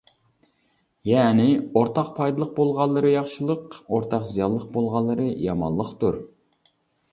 يەنى، ئورتاق پايدىلىق بولغانلىرى ياخشىلىق، ئورتاق زىيانلىق بولغانلىرى يامانلىقتۇر.